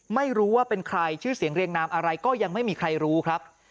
ไม่รู้ว่าเป็นใครชื่อเสียงเรียงนามอะไรก็ยังไม่มีใครรู้ครับ